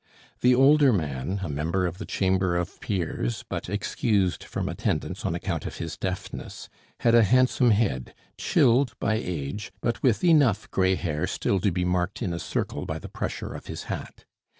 The older man, a member of the Chamber of Peers, but excused from attendance on account of his deafness, had a handsome head, chilled by age, but with enough gray hair still to be marked in a circle by the pressure of his hat.